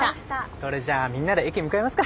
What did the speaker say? それじゃみんなで駅向かいますか。